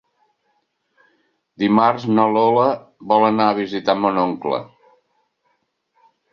Dimarts na Lola vol anar a visitar mon oncle.